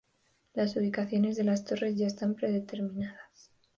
Las ubicaciones de las torres ya están predeterminadas.